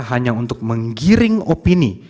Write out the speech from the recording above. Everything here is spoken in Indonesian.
hanya untuk menggiring opini